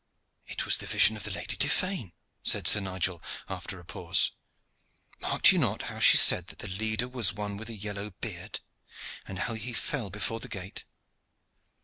"It was the vision of the Lady Tiphaine," said Sir Nigel, after a pause. "Marked you not how she said that the leader was one with a yellow beard, and how he fell before the gate.